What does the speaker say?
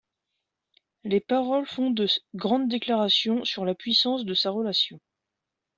Les paroles font de grandes déclarations sur la puissance de sa relation.